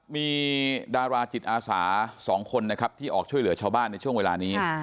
มีดาราจิตอาสา๒คนนะครับที่ออกช่วยเหลือชาวบ้านในช่วงเวลานี้